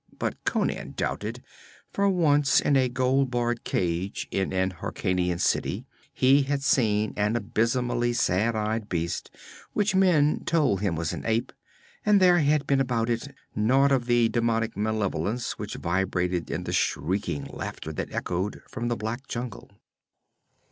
But Conan doubted, for once, in a gold barred cage in an Hyrkanian city, he had seen an abysmal sad eyed beast which men told him was an ape, and there had been about it naught of the demoniac malevolence which vibrated in the shrieking laughter that echoed from the black jungle.